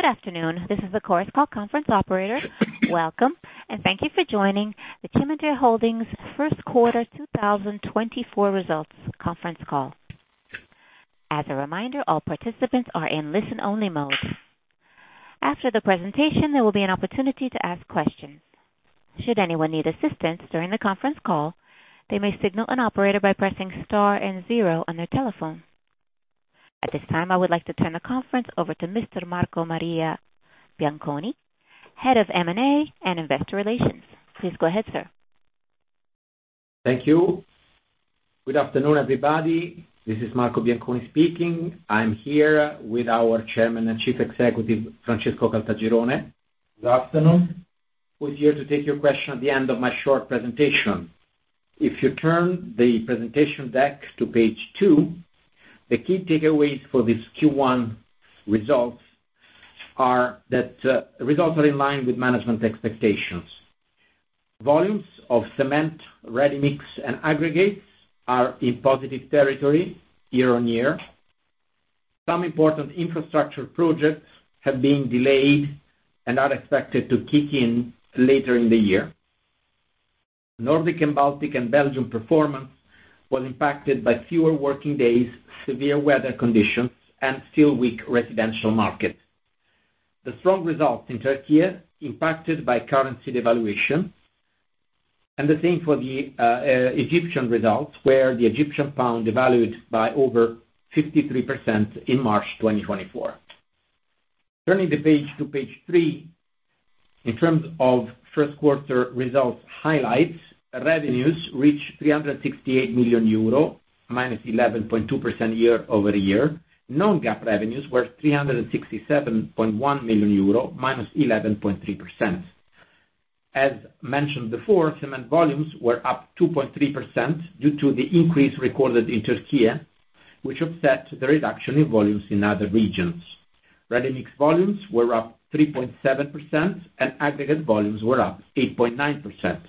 Good afternoon, this is the Chorus Call Conference Operator. Welcome, and thank you for joining the Cementir Holding first quarter 2024 results conference call. As a reminder, all participants are in listen-only mode. After the presentation, there will be an opportunity to ask questions. Should anyone need assistance during the conference call, they may signal an operator by pressing star and zero on their telephone. At this time, I would like to turn the conference over to Mr. Marco Maria Bianconi, Head of M&A and Investor Relations. Please go ahead, sir. Thank you. Good afternoon, everybody. This is Marco Bianconi speaking. I'm here with our Chairman and Chief Executive, Francesco Caltagirone. Good afternoon. We're here to take your question at the end of my short presentation. If you turn the presentation deck to page 2, the key takeaways for this Q1 results are that, results are in line with management expectations. Volumes of cement, ready-mix, and aggregates are in positive territory year-on-year. Some important infrastructure projects have been delayed and are expected to kick in later in the year. Nordic and Baltic and Belgium performance was impacted by fewer working days, severe weather conditions, and still weak residential market. The strong results in Turkey, impacted by currency devaluation, and the same for the Egyptian results, where the Egyptian pound devalued by over 53% in March 2024. Turning the page to page 3, in terms of first quarter results highlights, revenues reached 368 million euro, -11.2% year-over-year. Non-GAAP revenues were 367.1 million euro, -11.3%. As mentioned before, cement volumes were up 2.3% due to the increase recorded in Turkey, which offset the reduction in volumes in other regions. Ready-mix volumes were up 3.7%, and aggregate volumes were up 8.9%.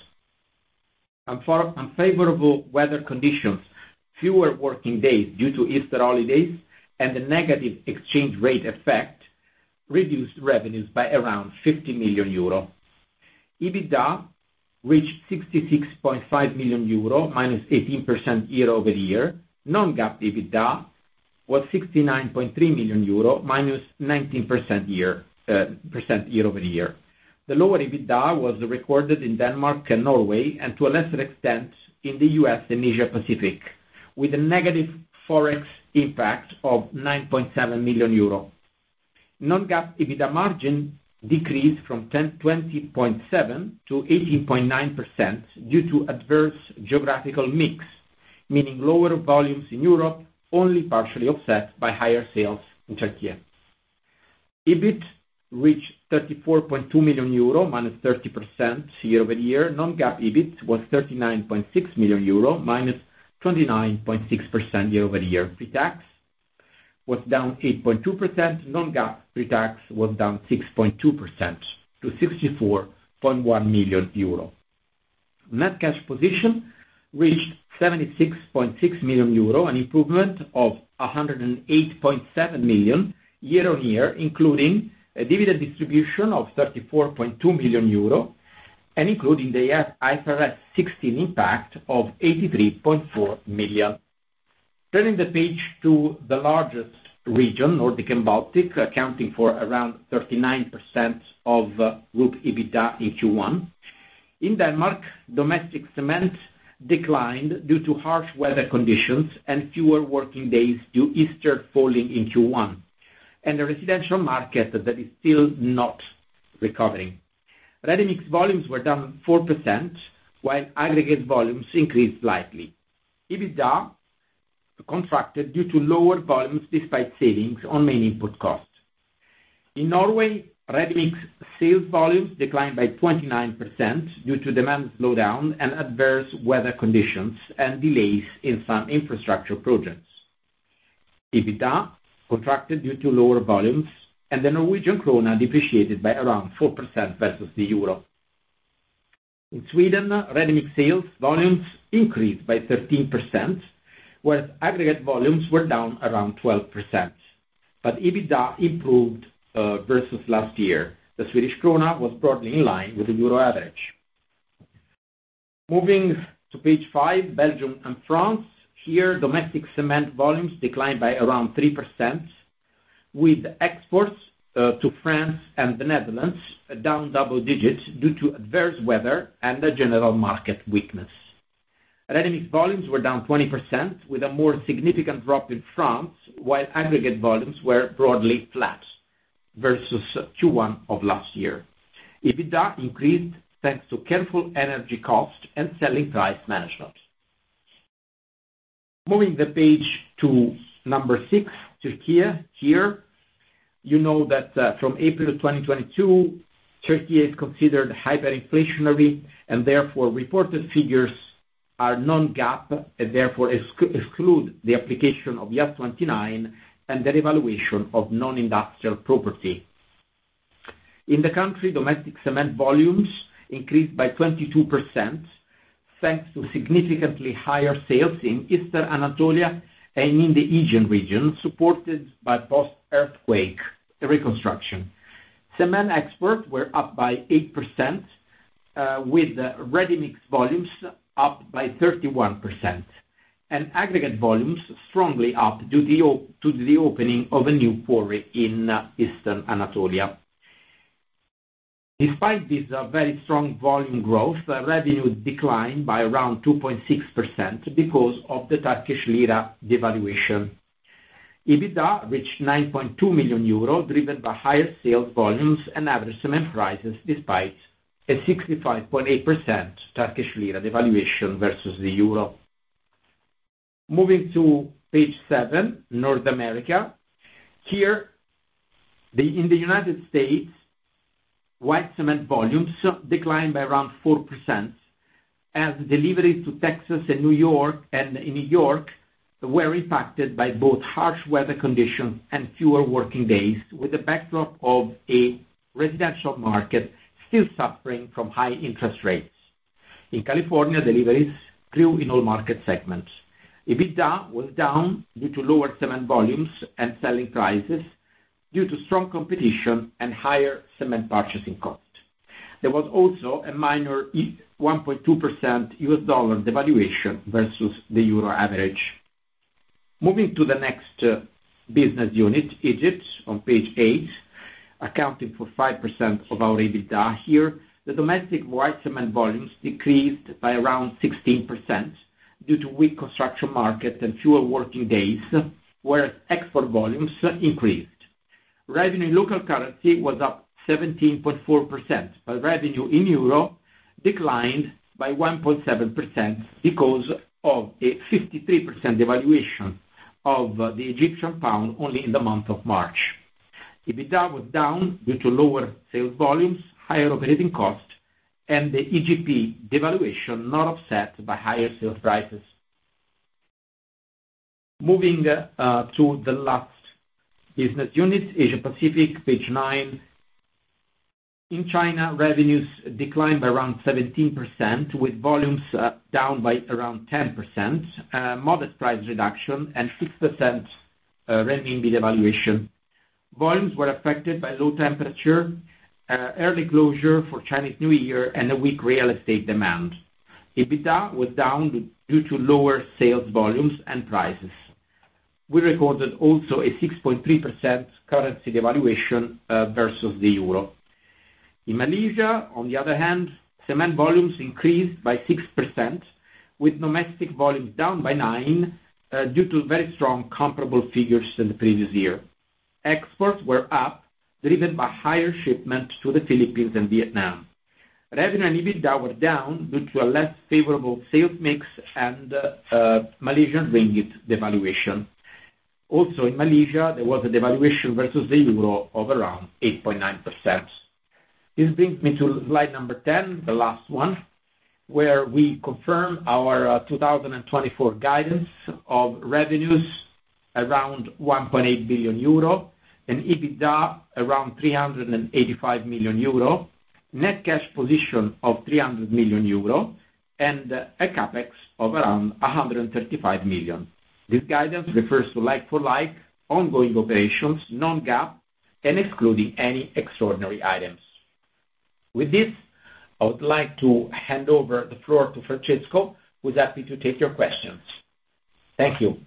Unfavorable weather conditions, fewer working days due to Easter holidays, and the negative exchange rate effect reduced revenues by around 50 million euro. EBITDA reached 66.5 million euro, -18% year-over-year. Non-GAAP EBITDA was 69.3 million euro, -19% year-over-year. The lower EBITDA was recorded in Denmark and Norway, and to a lesser extent, in the U.S. and Asia Pacific, with a negative Forex impact of 9.7 million euro. Non-GAAP EBITDA margin decreased from 20.7% to 18.9% due to adverse geographical mix, meaning lower volumes in Europe, only partially offset by higher sales in Turkey. EBIT reached 34.2 million euro, -30% year-over-year. Non-GAAP EBIT was 39.6 million euro, -29.6% year-over-year. Pre-tax was down 8.2%. Non-GAAP pre-tax was down 6.2% to 64.1 million euro. Net cash position reached 76.6 million euro, an improvement of 108.7 million year-on-year, including a dividend distribution of 34.2 million euro and including the IFRS 16 impact of 83.4 million. Turning the page to the largest region, Nordic and Baltic, accounting for around 39% of group EBITDA in Q1. In Denmark, domestic cement declined due to harsh weather conditions and fewer working days due to Easter falling in Q1, and the residential market that is still not recovering. Ready-mix volumes were down 4%, while aggregate volumes increased slightly. EBITDA contracted due to lower volumes, despite savings on main input costs. In Norway, ready-mix sales volumes declined by 29% due to demand slowdown and adverse weather conditions and delays in some infrastructure projects. EBITDA contracted due to lower volumes, and the Norwegian krone depreciated by around 4% versus the euro. In Sweden, ready-mix sales volumes increased by 13%, whereas aggregate volumes were down around 12%, but EBITDA improved versus last year. The Swedish krona was broadly in line with the euro average. Moving to page 5, Belgium and France. Here, domestic cement volumes declined by around 3%, with exports to France and the Netherlands down double digits due to adverse weather and a general market weakness. Ready-mix volumes were down 20%, with a more significant drop in France, while aggregate volumes were broadly flat versus Q1 of last year. EBITDA increased, thanks to careful energy cost and selling price management. Moving the page to number 6, Turkey. Here, you know that from April 2022, Turkey is considered hyperinflationary, and therefore, reported figures are non-GAAP, and therefore, exclude the application of IAS 29 and the evaluation of non-industrial property. In the country, domestic cement volumes increased by 22%, thanks to significantly higher sales in Eastern Anatolia and in the Aegean region, supported by post-earthquake reconstruction. Cement exports were up by 8%, with ready-mix volumes up by 31%, and aggregate volumes strongly up due to the opening of a new quarry in Eastern Anatolia. Despite this, very strong volume growth, revenue declined by around 2.6% because of the Turkish lira devaluation. EBITDA reached 9.2 million euro, driven by higher sales volumes and average cement prices, despite a 65.8% Turkish lira devaluation versus the euro. Moving to page 7, North America. Here, in the United States, white cement volumes declined by around 4%, as delivery to Texas and New York, and in New York, were impacted by both harsh weather conditions and fewer working days, with the backdrop of a residential market still suffering from high interest rates. In California, deliveries grew in all market segments. EBITDA was down due to lower cement volumes and selling prices, due to strong competition and higher cement purchasing cost. There was also a minor 1.2% U.S. dollar devaluation versus the euro average. Moving to the next business unit, Egypt, on page eight, accounting for 5% of our EBITDA here. The domestic white cement volumes decreased by around 16% due to weak construction market and fewer working days, whereas export volumes increased. Revenue in local currency was up 17.4%, but revenue in euro declined by 1.7% because of a 53% devaluation of the Egyptian pound only in the month of March. EBITDA was down due to lower sales volumes, higher operating costs, and the EGP devaluation, not offset by higher sales prices. Moving to the last business unit, Asia Pacific, page nine. In China, revenues declined by around 17%, with volumes down by around 10%, moderate price reduction, and 6% renminbi devaluation. Volumes were affected by low temperature, early closure for Chinese New Year, and a weak real estate demand. EBITDA was down due to lower sales volumes and prices. We recorded also a 6.3% currency devaluation versus the euro. In Malaysia, on the other hand, cement volumes increased by 6%, with domestic volumes down by 9 due to very strong comparable figures than the previous year. Exports were up, driven by higher shipments to the Philippines and Vietnam. Revenue and EBITDA were down due to a less favorable sales mix and Malaysian ringgit devaluation. Also, in Malaysia, there was a devaluation versus the euro of around 8.9%. This brings me to slide number 10, the last one, where we confirm our 2024 guidance of revenues around 1.8 billion euro, and EBITDA around 385 million euro, net cash position of 300 million euro, and a CapEx of around 135 million. This guidance refers to like-for-like ongoing operations, non-GAAP, and excluding any extraordinary items. With this, I would like to hand over the floor to Francesco, who's happy to take your questions. Thank you.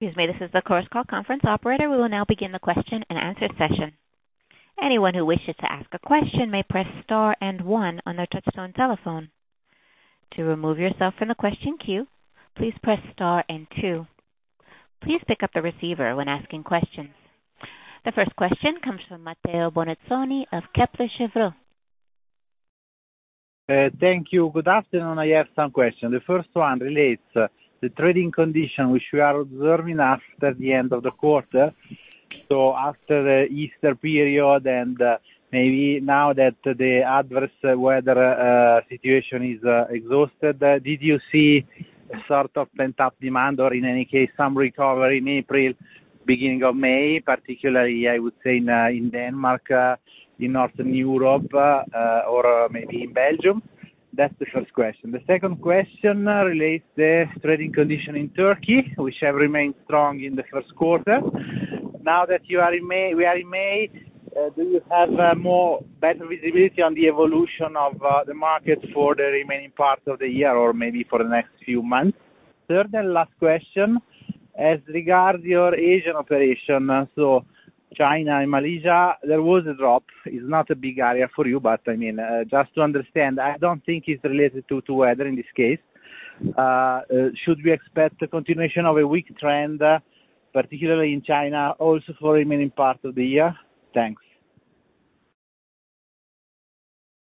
Excuse me, this is the Chorus Call conference operator. We will now begin the question-and-answer session. Anyone who wishes to ask a question may press star and one on their touchtone telephone. To remove yourself from the question queue, please press star and two. Please pick up the receiver when asking questions. The first question comes from Matteo Bonizzoni of Kepler Cheuvreux. Thank you. Good afternoon. I have some questions. The first one relates the trading condition which we are observing after the end of the quarter. So after the Easter period, and maybe now that the adverse weather situation is exhausted, did you see sort of pent-up demand, or in any case, some recovery in April, beginning of May, particularly, I would say, in in Denmark, in Northern Europe, or maybe in Belgium? That's the first question. The second question relates the trading condition in Turkey, which have remained strong in the first quarter. Now that you are in May - we are in May, do you have more better visibility on the evolution of the market for the remaining part of the year or maybe for the next few months? Third and last question: as regards your Asian operation, so China and Malaysia, there was a drop. It's not a big area for you, but, I mean, just to understand, I don't think it's related to weather in this case. Should we expect a continuation of a weak trend, particularly in China, also for the remaining part of the year? Thanks.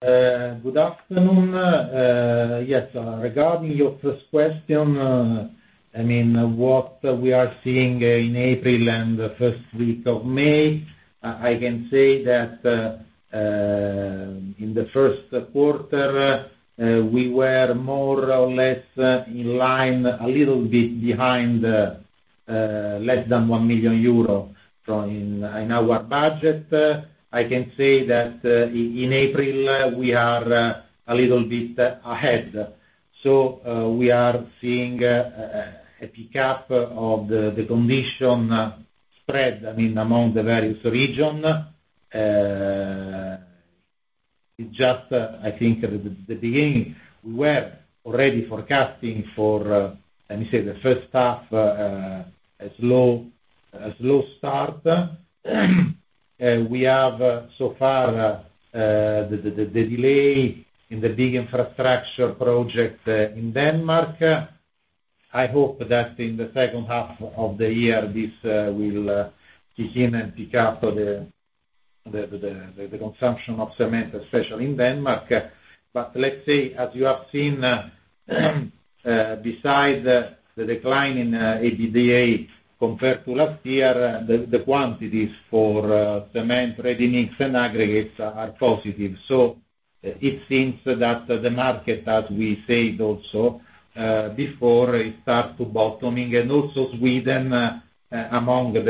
Good afternoon. Yes, regarding your first question, I mean, what we are seeing in April and the first week of May, I can say that. In the first quarter, we were more or less in line, a little bit behind, less than 1 million euro. So in our budget, I can say that in April, we are a little bit ahead. So, we are seeing a pickup of the condition spread, I mean, among the various region. It just, I think at the beginning, we were already forecasting for, let me say, the first half, a slow start. We have so far the delay in the big infrastructure project in Denmark. I hope that in the second half of the year, this will begin and pick up the consumption of cement, especially in Denmark. But let's say, as you have seen, besides the decline in EBITDA compared to last year, the quantities for cement, ready mix, and aggregates are positive. So it seems that the market, as we said also before, it start to bottoming. And also Sweden, among those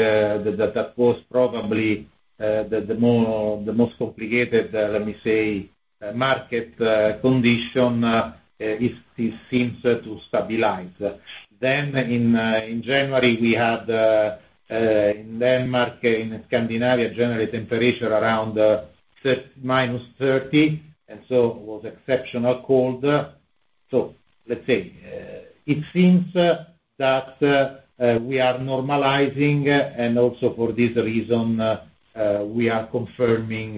that was probably the most complicated, let me say, market condition, it seems to stabilize. Then in January, we had in Denmark, in Scandinavia, generally temperature around -30 degrees Celsius, and so it was exceptional cold. So let's say, it seems that we are normalizing, and also for this reason, we are confirming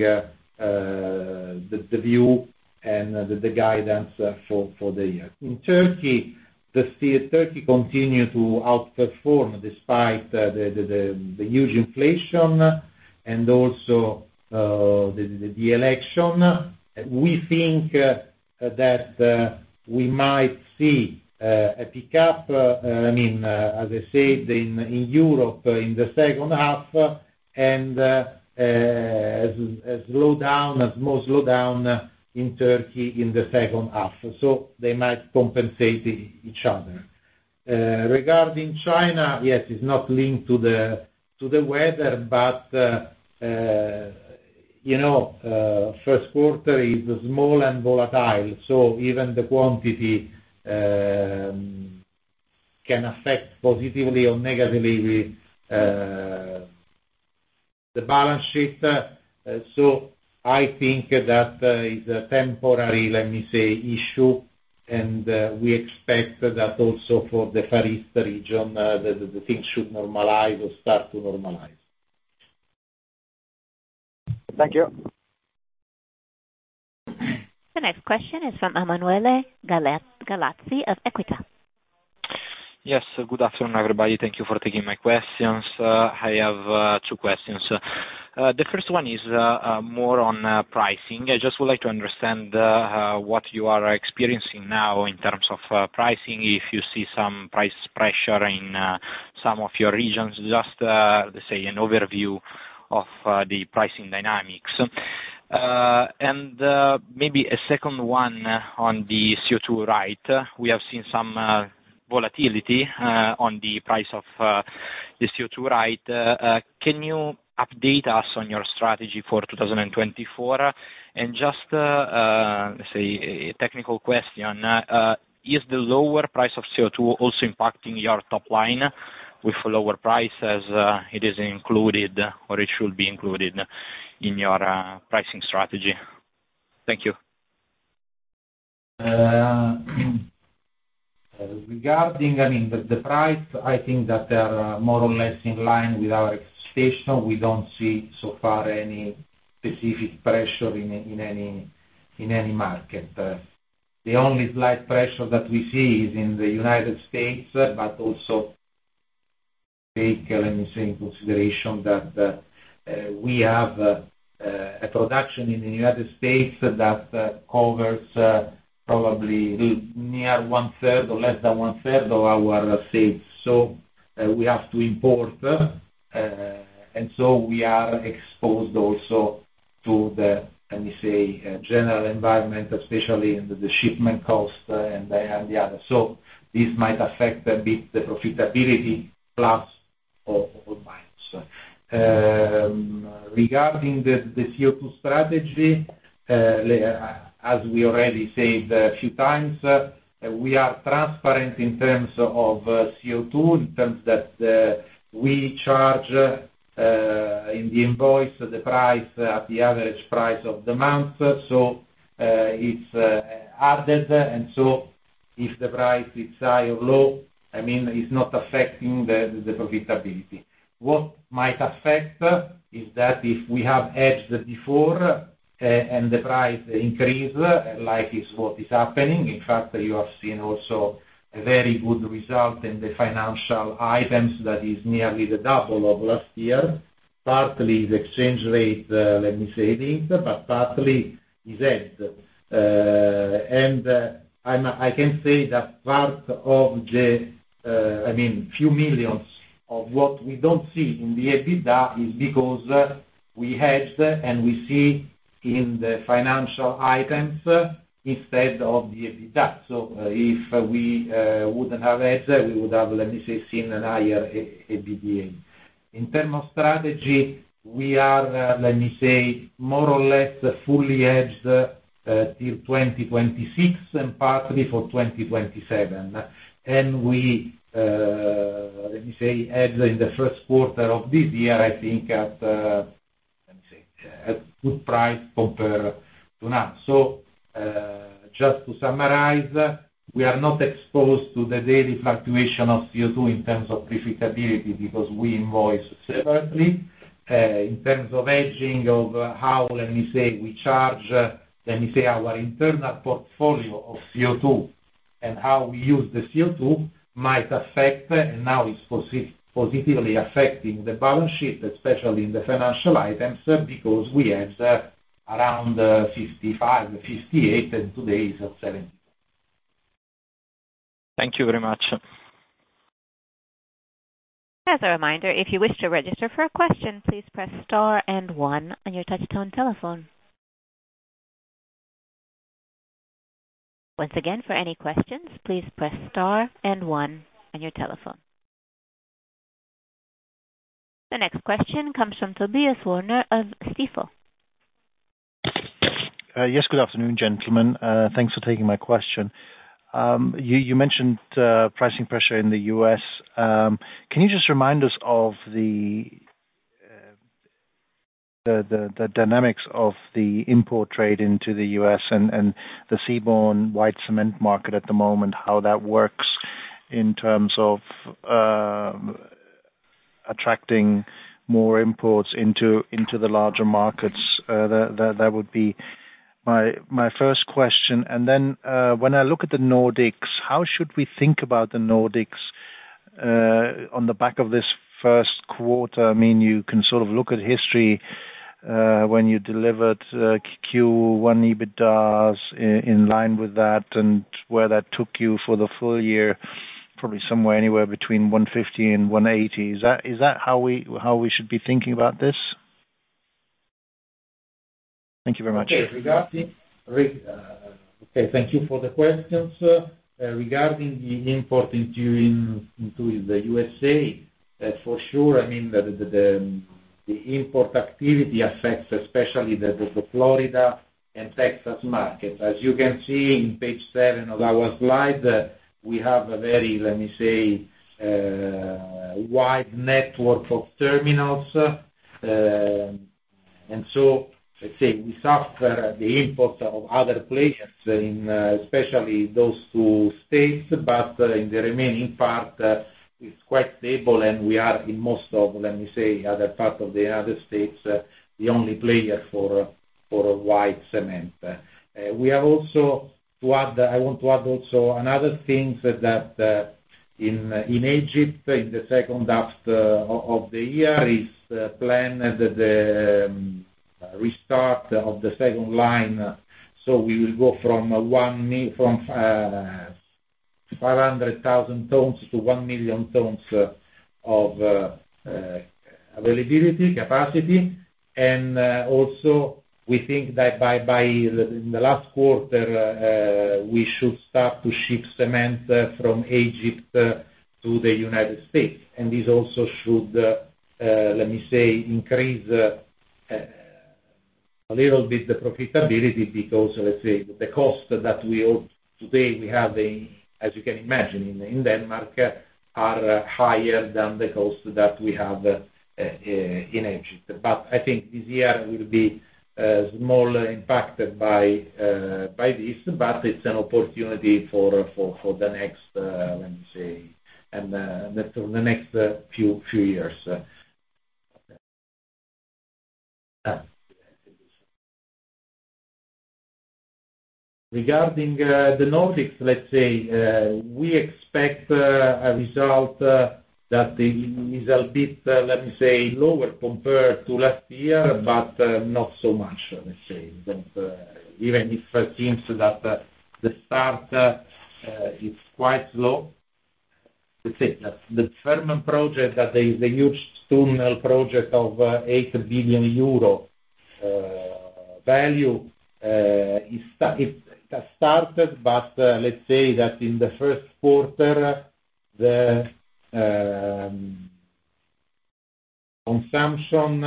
the view and the guidance for the year. In Turkey, Turkey continues to outperform despite the huge inflation and also the election. We think that we might see a pickup, I mean, as I said, in Europe in the second half, and as a slowdown, a more slowdown in Turkey in the second half, so they might compensate each other. Regarding China, yes, it's not linked to the weather, but you know, first quarter is small and volatile, so even the quantity can affect positively or negatively the balance sheet. So I think that is a temporary, let me say, issue, and we expect that also for the Far East region, the things should normalize or start to normalize. Thank you. The next question is from Emanuele Gallazzi of Equita. Yes, good afternoon, everybody. Thank you for taking my questions. I have two questions. The first one is more on pricing. I just would like to understand what you are experiencing now in terms of pricing, if you see some price pressure in some of your regions, just let's say, an overview of the pricing dynamics. And maybe a second one on the CO2, right? We have seen some volatility on the price of the CO2, right? Can you update us on your strategy for 2024? And just let's say, a technical question: is the lower price of CO2 also impacting your top line with lower prices, it is included, or it should be included in your pricing strategy? Thank you. Regarding, I mean, the price, I think that they are more or less in line with our expectation. We don't see, so far, any specific pressure in any market. The only slight pressure that we see is in the United States, but also take, let me say, in consideration that we have a production in the United States that covers probably near 1/3 or less than one third of our sales. So we have to import, and so we are exposed also to the, let me say, general environment, especially in the shipment cost and the other. So this might affect a bit the profitability plus or minus. Regarding the CO2 strategy, as we already said a few times, we are transparent in terms of CO2, in terms that we charge in the invoice the price at the average price of the month. So, it's added, and so if the price is high or low, I mean, it's not affecting the profitability. What might affect is that if we have hedged before and the price increase, like it's what is happening, in fact, you have seen also a very good result in the financial items that is nearly the double of last year. Partly, the exchange rate, let me say this, but partly is hedged. And, I'm, I can say that part of the, I mean, few millions of what we don't see in the EBITDA is because, we hedged, and we see in the financial items instead of the EBITDA. So if we, wouldn't have hedged, we would have, let me say, seen a higher EBITDA. In terms of strategy, we are, let me say, more or less fully hedged, till 2026, and partly for 2027. And we, let me say, hedged in the first quarter of this year, I think at, let me see, at good price compared to now. So, just to summarize, we are not exposed to the daily fluctuation of CO2 in terms of profitability, because we invoice separately. In terms of hedging of how, let me say, we charge, let me say, our internal portfolio of CO2 and how we use the CO2 might affect, and now it's positively affecting the balance sheet, especially in the financial items, because we hedge around 55-58, and today is at 70. Thank you very much. As a reminder, if you wish to register for a question, please press star and one on your touchtone telephone. Once again, for any questions, please press star and one on your telephone. The next question comes from Tobias Woerner of Stifel. Yes, good afternoon, gentlemen. Thanks for taking my question. You mentioned pricing pressure in the U.S. Can you just remind us of the dynamics of the import trade into the U.S. and the seaborne white cement market at the moment, how that works in terms of attracting more imports into the larger markets? That would be my first question. And then, when I look at the Nordics, how should we think about the Nordics on the back of this first quarter? I mean, you can sort of look at history, when you delivered Q1 EBITDA in line with that, and where that took you for the full year, probably somewhere, anywhere between 150 million and 180 million. Is that how we should be thinking about this? Thank you very much. Okay. Thank you for the questions. Regarding the import into the U.S.A., for sure, I mean, the import activity affects especially the Florida and Texas market. As you can see in page seven of our slide, we have a very, let me say, wide network of terminals. And so, let's say, we suffer the import of other players in, especially those two states, but, in the remaining part, it's quite stable, and we are in most of, let me say, other parts of the United States, the only player for white cement. We have also to add, I want to add also another thing, that, in Egypt, in the second half of the year, is planned the restart of the second line. So we will go from 500,000 tons to 1 million tons of availability, capacity. And also, we think that by the last quarter, we should start to ship cement from Egypt to the United States. And this also should let me say, increase a little bit the profitability, because, let's say, the cost that we today, we have, as you can imagine, in Denmark, are higher than the cost that we have in Egypt. But I think this year will be small impacted by this, but it's an opportunity for the next let me say, and the next few years. Regarding the Nordics, let's say, we expect a result that is a bit, let me say, lower compared to last year, but not so much, let's say. That even if it seems that the start is quite slow. Let's say, that the Fehmarnbelt Fixed Link, that is a huge tunnel project of 8 billion euro value, is sta- it has started, but let's say that in the first quarter, the consumption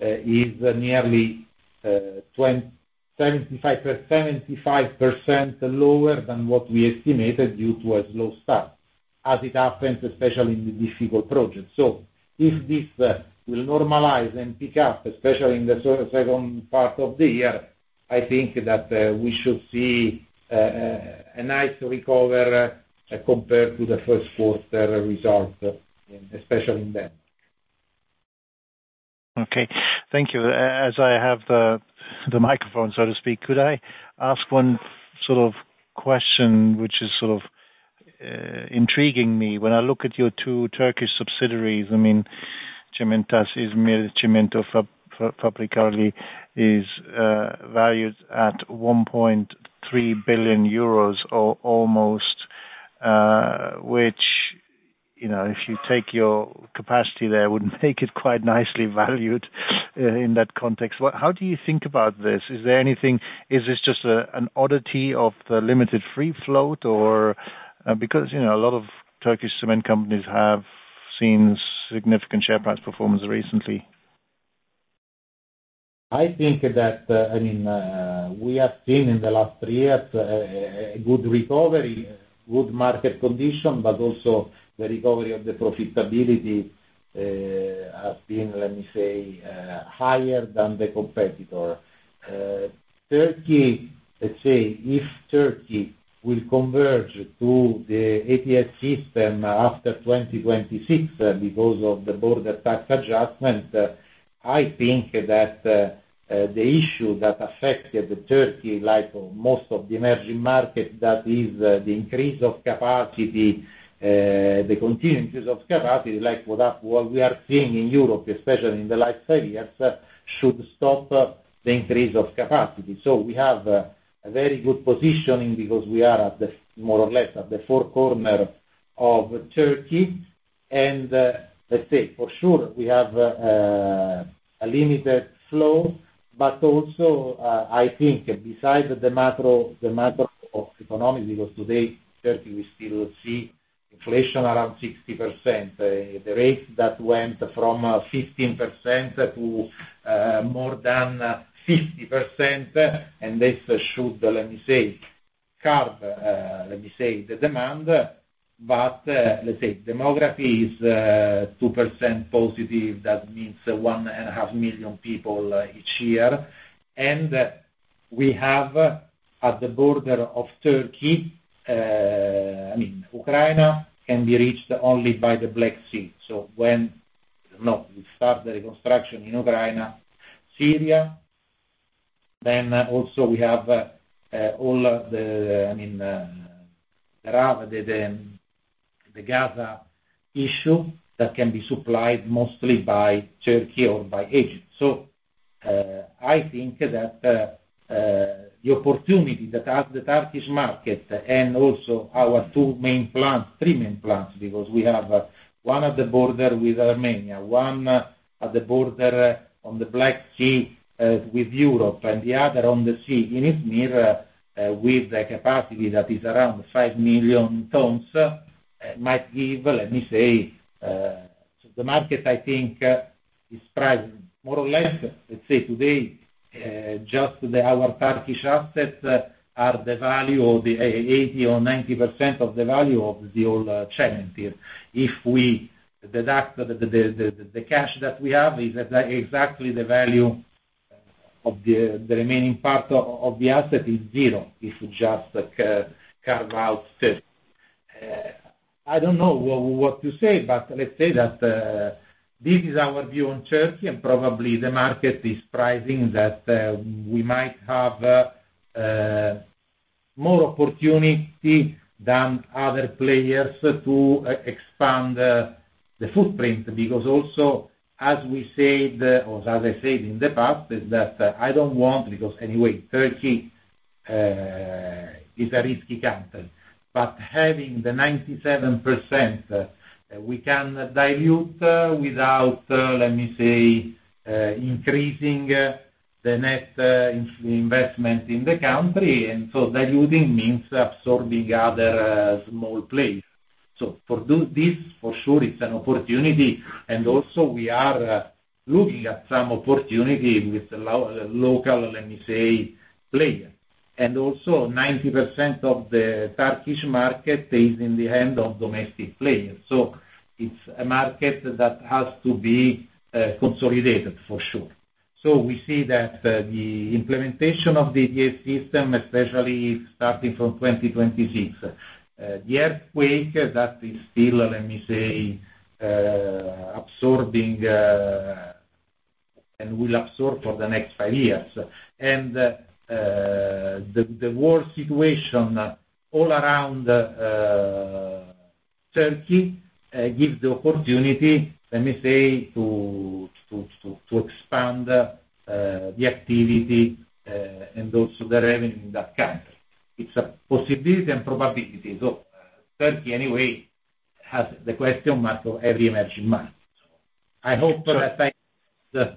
is nearly seventy-five, 75% lower than what we estimated, due to a slow start, as it happens, especially in the difficult projects. So if this will normalize and pick up, especially in the second part of the year, I think that we should see a nice recover compared to the first quarter result, especially in Denmark. Okay. Thank you. As I have the microphone, so to speak, could I ask one sort of question, which is sort of intriguing me. When I look at your two Turkish subsidiaries, I mean, Çimentaş İzmir Çimento Fabrikası Türk A.Ş. is valued at 1.3 billion euros or almost, which, you know, if you take your capacity there, would make it quite nicely valued in that context. What, how do you think about this? Is there anything, is this just an oddity of the limited free float or because, you know, a lot of Turkish cement companies have seen significant share price performance recently. I think that, I mean, we have seen in the last three years, a good recovery, good market condition, but also the recovery of the profitability, has been, let me say, higher than the competitor. Turkey, let's say, if Turkey will converge to the ETS system after 2026 because of the border tax adjustment, I think that, the issue that affected Turkey, like most of the emerging markets, that is, the increase of capacity, the continued increase of capacity, like what we are seeing in Europe, especially in the last five years, should stop, the increase of capacity. So we have a very good positioning because we are at the, more or less, at the forefront of Turkey, and, let's say, for sure, we have a limited flow, but also, I think besides the macro, the macro of economy, because today, Turkey, we still see inflation around 60%. The rate that went from 15% to more than 50%, and this should, let me say, curb, let me say, the demand. But, let's say demography is two percent positive. That means 1.5 million people each year. And we have, at the border of Turkey, I mean, Ukraine can be reached only by the Black Sea. So when, you know, we start the reconstruction in Ukraine, Syria, then also we have, all the, I mean, the Gaza issue that can be supplied mostly by Turkey or by Egypt. So, I think that, the opportunity that as the Turkish market and also our two main plants, three main plants, because we have one at the border with Armenia, one at the border on the Black Sea, with Europe, and the other on the sea, in Izmir, with a capacity that is around 5 million tons, might give, let me say... So the market, I think, is priced more or less. Let's say today, just the our Turkish assets, are the value or the 80% or 90% of the value of the old, chain here. If we deduct the cash that we have, is exactly the value of the remaining part of the asset is zero, if you just carve out Turkey. I don't know what to say, but let's say that this is our view on Turkey, and probably the market is pricing that we might have more opportunity than other players to expand the footprint. Because also, as we said, or as I said in the past, is that I don't want, because anyway, Turkey is a risky country, but having the 97%, we can dilute without, let me say, increasing the net investment in the country, and so diluting means absorbing other small players. So to do this, for sure, it's an opportunity, and also we are looking at some opportunity with local, let me say, player. And also, 90% of the Turkish market is in the hands of domestic players, so it's a market that has to be consolidated for sure. So we see that the implementation of the ETS system, especially starting from 2026, the earthquake that is still, let me say, absorbing and will absorb for the next five years. And the world situation all around Turkey gives the opportunity, let me say, to expand the activity and also the revenue in that country. It's a possibility and probability, so Turkey anyway has the question mark of every emerging market. I hope that answers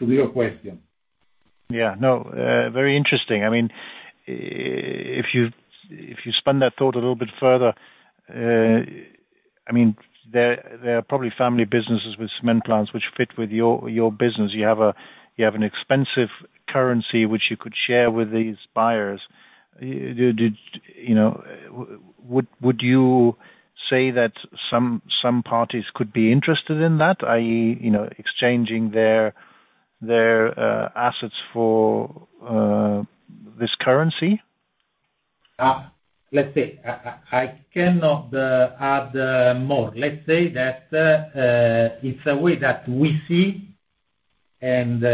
your question. Yeah. No, very interesting. I mean, if you, if you spin that thought a little bit further, I mean, there are probably family businesses with cement plants which fit with your business. You have an expensive currency which you could share with these buyers. You know, would you say that some parties could be interested in that, i.e., you know, exchanging their assets for this currency? Let's say, I cannot add more. Let's say that it's a way that we see. And,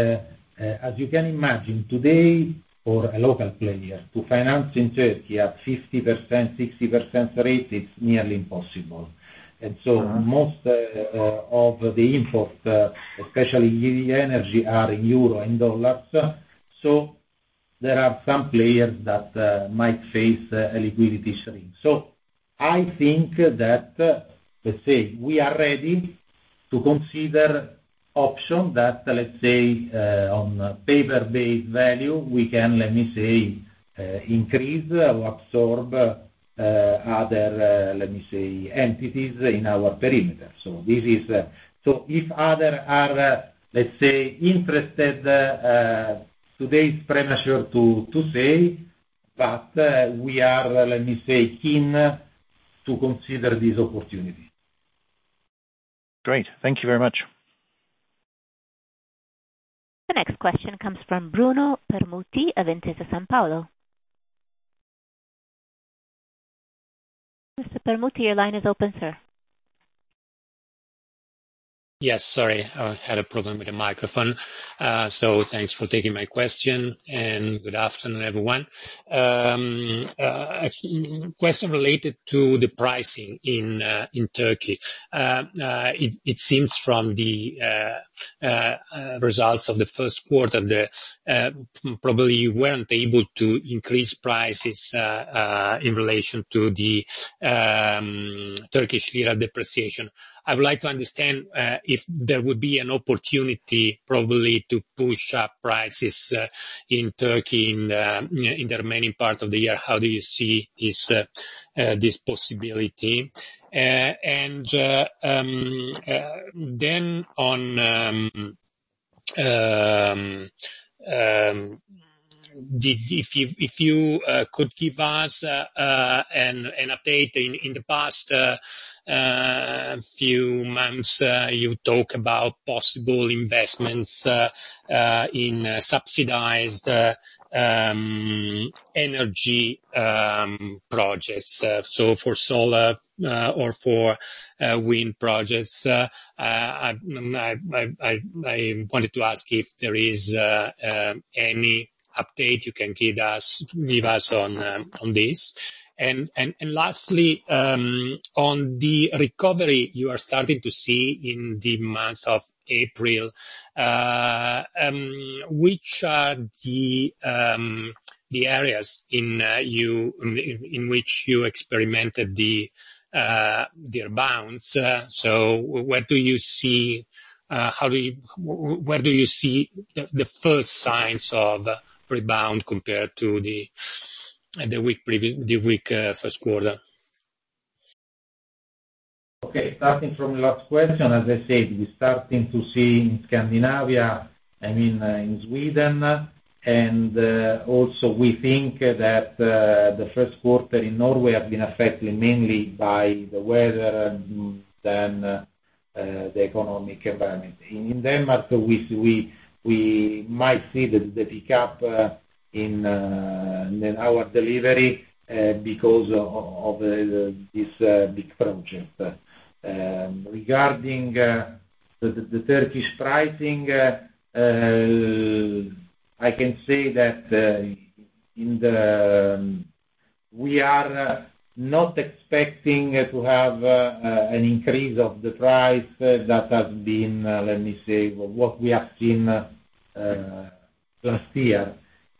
as you can imagine, today, for a local player to finance in Turkey at 50%-60% rate, it's nearly impossible. And so most of the import, especially in energy, are in euros and dollars, so there are some players that might face a liquidity shrink. So I think that, let's say, we are ready to consider option that, let's say, on paper-based value, we can, let me say, increase or absorb other, let me say, entities in our perimeter. So this is. So if other are, let's say, interested, today is premature to say, but we are, let me say, keen to consider this opportunity. Great. Thank you very much. The next question comes from Bruno Permutti of Intesa Sanpaolo. Mr. Permutti, your line is open, sir. Yes, sorry. I had a problem with the microphone. So thanks for taking my question, and good afternoon, everyone. A question related to the pricing in Turkey. It seems from the results of the first quarter that probably you weren't able to increase prices in relation to the Turkish lira depreciation. I would like to understand if there would be an opportunity, probably, to push up prices in Turkey in the remaining part of the year. How do you see this possibility? And then on the, if you could give us an update. In the past few months, you talk about possible investments in subsidized energy projects, so for solar or for wind projects. I wanted to ask if there is any update you can give us on this? And lastly, on the recovery you are starting to see in the month of April, which are the areas in which you experimented the rebounds? So where do you see the first signs of rebound compared to the weak first quarter? Okay, starting from the last question, as I said, we're starting to see in Scandinavia, I mean, in Sweden, and also we think that the first quarter in Norway have been affected mainly by the weather than the economic environment. In Denmark, we might see the pickup in our delivery because of this big project. Regarding the Turkish pricing, I can say that in the... We are not expecting to have an increase of the price that has been, let me say, what we have seen last year,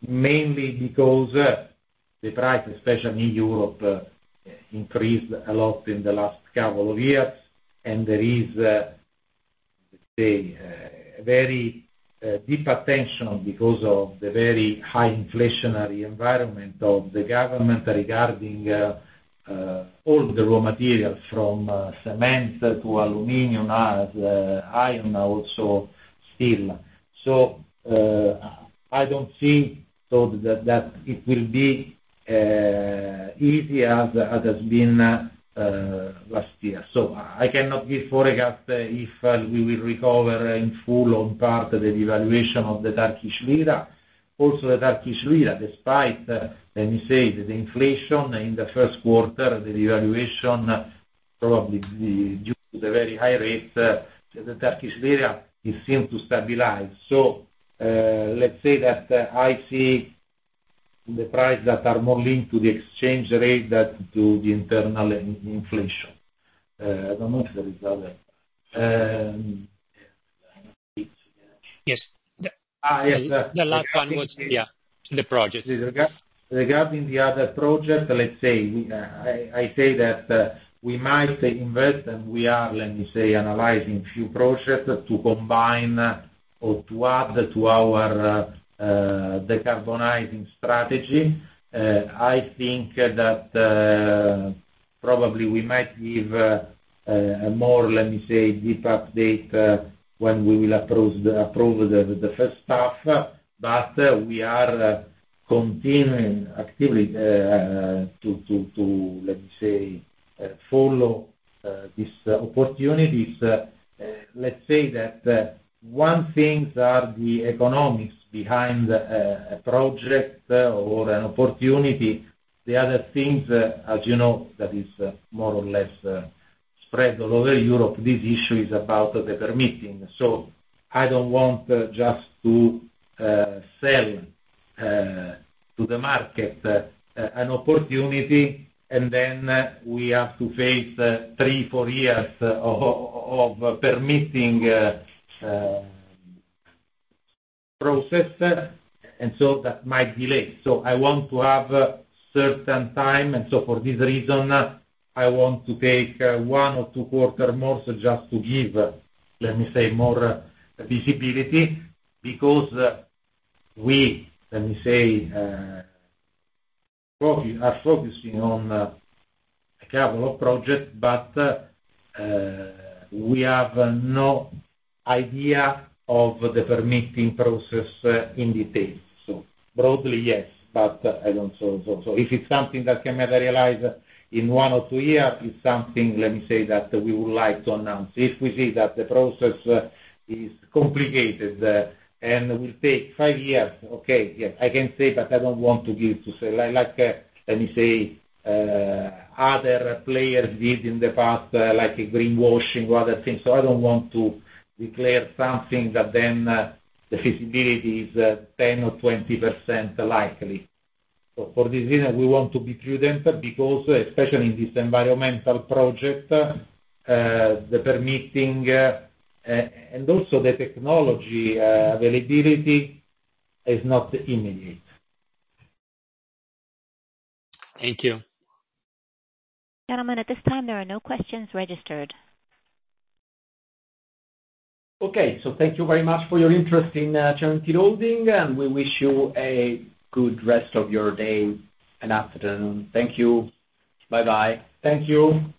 mainly because the price, especially in Europe, increased a lot in the last couple of years, and there is, let's say, a very deep attention because of the very high inflationary environment of the government regarding all the raw materials, from cement to aluminum, iron, also steel. So, I don't see, so that, that it will be easy as has been last year. So I cannot give forecast if we will recover in full or part the devaluation of the Turkish lira. Also, the Turkish lira, despite, let me say, the inflation in the first quarter, the devaluation, probably due to the very high rate, the Turkish lira seems to stabilize. So, let's say that I see the prices that are more linked to the exchange rate than to the internal inflation. I don't know if there is other, Yes. Ah, yes. The last one was, yeah, the projects. Regarding the other project, let's say, I say that we might invest, and we are, let me say, analyzing a few projects to combine or to add to our decarbonizing strategy. I think that probably we might give a more, let me say, deep update when we will approve the first half, but we are continuing actively to let me say, follow these opportunities. Let's say that one thing are the economics behind a project or an opportunity. The other things, as you know, that is more or less spread all over Europe, this issue is about the permitting. So I don't want just to sell to the market an opportunity, and then we have to face 3-4 years of permitting process, and so that might delay. So I want to have certain time, and so for this reason, I want to take one or two quarter more, so just to give, let me say, more visibility, because we, let me say, are focusing on a couple of projects, but we have no idea of the permitting process in detail. So broadly, yes, but I don't... So if it's something that can be realized in one or two years, it's something, let me say, that we would like to announce. If we see that the process is complicated and will take 5 years, okay, yeah, I can say, but I don't want to give, to say, like, let me say, other players did in the past, like a greenwashing or other things. So I don't want to declare something that then the feasibility is 10% or 20% likely. So for this reason, we want to be prudent, because especially in this environmental project, the permitting and also the technology availability is not immediate. Thank you. Gentlemen, at this time, there are no questions registered. Okay. So thank you very much for your interest in Cementir Holding, and we wish you a good rest of your day and afternoon. Thank you. Bye-bye. Thank you.